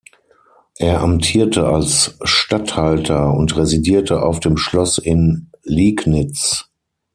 Er amtierte als Statthalter und residierte auf dem Schloss in Liegnitz.